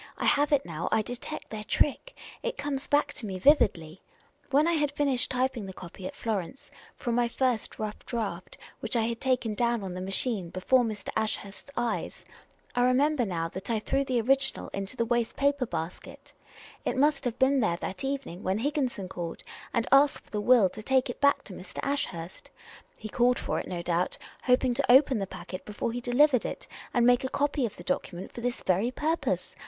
I have it all now ! I detect their trick ! It conies back to me vividly ! When I had finished typing the copy at Florence from my first rough draft, which I had taken down on the machiue before Mr. Ashurst's eyes, I remember now that I The Unprofessional Detective 325 threw the original into the waste paper basket. It must have been there that evening when Higginson called and asked for the will to take it back to Mr. Ashurst. He called for it, no doubt, hoping to open the packet before he delivered it and make a copy of the document for this very purpose.